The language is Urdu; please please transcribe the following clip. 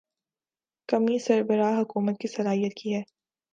کمی سربراہ حکومت کی صلاحیت کی ہے۔